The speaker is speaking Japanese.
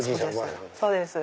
そうです。